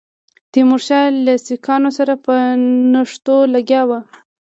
تیمورشاه له سیکهانو سره په نښتو لګیا وو.